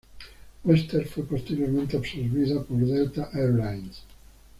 Western fue posteriormente absorbida por Delta Air Lines.